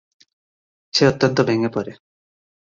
সে অত্যন্ত ভেঙ্গে পড়ে।